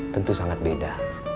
tentu sangat beda